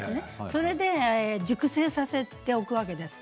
それで熟成させておくわけです。